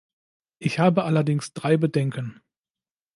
Ich habe allerdings drei Bedenken.